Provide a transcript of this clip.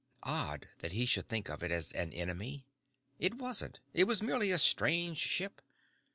Odd that he should think of it as an enemy. It wasn't. It was merely a strange ship.